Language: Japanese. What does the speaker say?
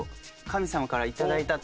神様からいただいた？